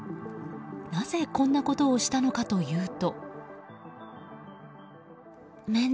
なぜこんなことをしたのかというと。